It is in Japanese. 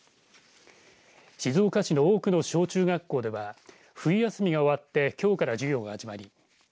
静岡市の多くの小中学校では冬休みが終わってきょうから授業が始まり